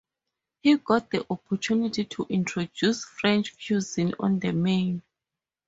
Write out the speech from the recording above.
He got the opportunity to introduce French cuisine on the menu.